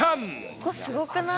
ここ、すごくない？